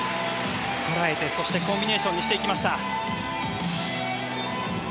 こらえてそしてコンビネーションにしていきました。